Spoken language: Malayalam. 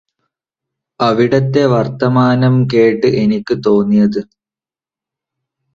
അവിടെത്തെ വർത്തമാനം കേട്ട് എനിക്കു തോന്നിയത്